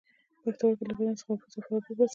پښتورګي له بدن څخه اضافي اوبه وباسي